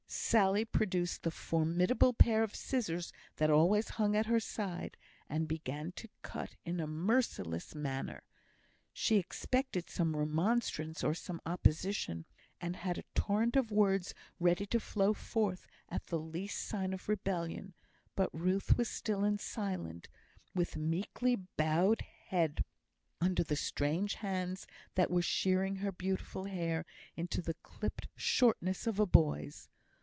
Sally produced the formidable pair of scissors that always hung at her side, and began to cut in a merciless manner. She expected some remonstrance or some opposition, and had a torrent of words ready to flow forth at the least sign of rebellion; but Ruth was still and silent, with meekly bowed head, under the strange hands that were shearing her beautiful hair into the clipped shortness of a boy's.